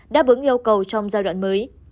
đáp ứng yêu cầu trong giai đoạn mới